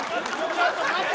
ちょっと待て。